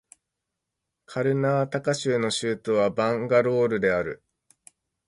カルナータカ州の州都はバンガロールである